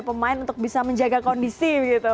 pemain untuk bisa menjaga kondisi begitu